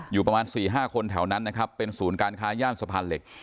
อยู่ประมาณ๔๕คนแถวนั้นนะครับเป็นศูนย์การค้าย่านสะพานเหล็ก